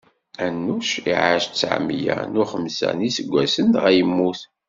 Anuc iɛac tteɛmeyya u xemsa n iseggasen, dɣa yemmut.